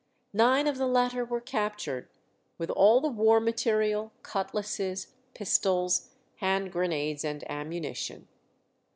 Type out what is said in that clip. Nine of the latter were captured, with all the war material, cutlasses, pistols, hand grenades, and ammunition.